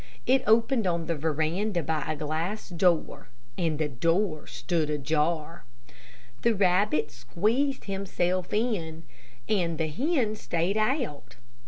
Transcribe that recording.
It opened on the veranda by a glass door, and the door stood ajar. The rabbit squeezed himself in, and the hen stayed out.